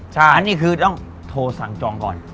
อันนี้คือต้องโทรสั่งจองก่อน